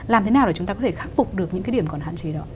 làm thế nào để chúng ta có thể khắc phục được những cái điểm còn hạn chế đó